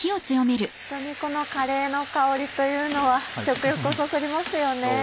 本当にこのカレーの香りというのは食欲をそそりますよね。